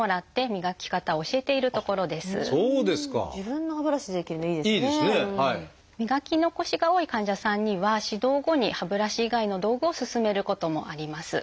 磨き残しが多い患者さんには指導後に歯ブラシ以外の道具をすすめることもあります。